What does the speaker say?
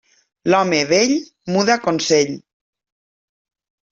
L'home vell muda consell.